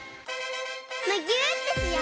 むぎゅーってしよう！